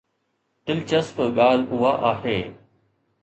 دلچسپ ڳالهه اها آهي.